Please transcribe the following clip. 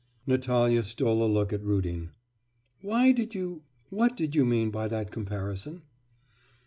Natalya stole a look at Rudin. 'Why did you what did you mean by that comparison?